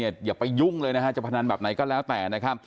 อย่าไปยุ่งเลยจะพนันแบบไหนก็แล้วแต่